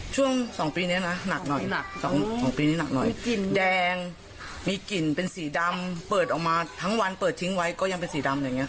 ช่วงสองปีนี้นะหนักหน่อยมีกลิ่นเป็นสีดำเปิดออกมาทั้งวันเปิดทิ้งไว้ก็ยังเป็นสีดำ